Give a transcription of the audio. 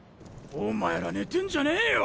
お前ら寝てんじゃねえよ。